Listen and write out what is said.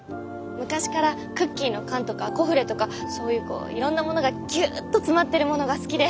昔からクッキーの缶とかコフレとかそういうこういろんなものがぎゅっと詰まってるものが好きで。